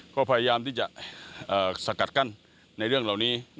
ก็พยายามที่จะสกัดกั้นในเรื่องเหล่านี้